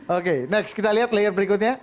oke next kita lihat layer berikutnya